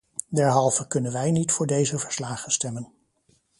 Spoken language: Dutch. Derhalve kunnen wij niet voor deze verslagen stemmen.